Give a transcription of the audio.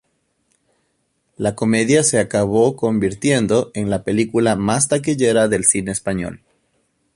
La comedia se acabó convirtiendo en la película más taquillera del cine español.